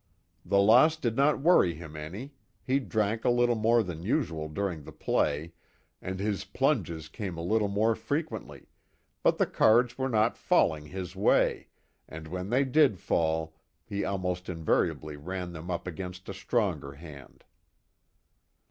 The loss did not worry him any, he drank a little more than usual during the play, and his plunges came a little more frequently, but the cards were not falling his way, and when they did fall, he almost invariably ran them up against a stronger hand.